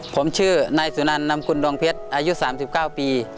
ผมชื่อนายสุนันนำกุลดวงเพชรอายุ๓๙ปี